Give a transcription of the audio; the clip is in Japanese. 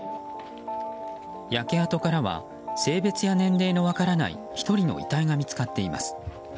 焼け跡からは性別や年齢の分からない１人の遺体が見つかっています。